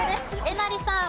えなりさん。